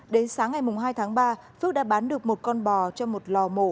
đến sáng ngày hai tháng ba phước đã bán được một con bò cho một lò mổ